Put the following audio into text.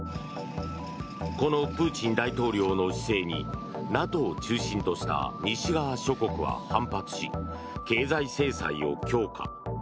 このプーチン大統領の姿勢にＮＡＴＯを中心とした西側諸国は反発し、経済制裁を強化。